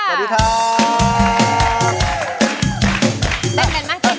เพื่อจะไปชิงรางวัลเงินล้าน